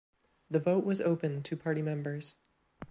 The vote was open to party members.